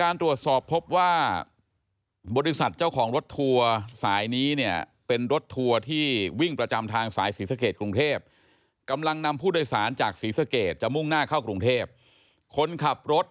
รถบอกว่าก่อนเกิดเหตุฝนตกลงมาอย่างหนักครับ